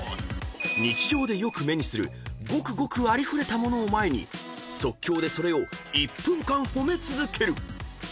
［日常でよく目にするごくごくありふれた物を前に即興でそれを１分間褒め続ける］